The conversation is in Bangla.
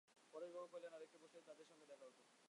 পরেশবাবু কহিলেন, আর-একটু বসলেই তাদের সঙ্গে দেখা হত।